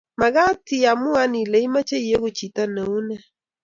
makat iamuan Ile imache ieku chitok neune